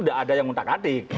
nggak ada yang muntah muntah